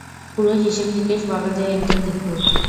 পুরো হিসেবনিকেশ বলা যায় একদম নিখুঁত!